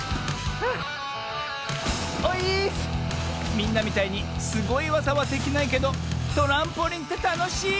みんなみたいにすごいわざはできないけどトランポリンってたのしい！